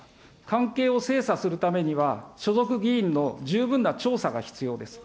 関係を精査するためには、所属議員の十分な調査が必要です。